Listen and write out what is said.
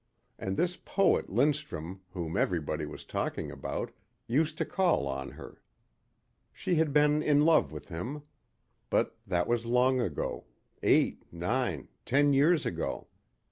And this poet Lindstrum whom everybody was talking about, used to call on her. She had been in love with him. But that was long ago eight, nine, ten years ago.